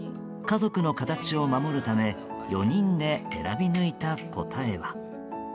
家族の形を守るため４人で選び抜いた答えは。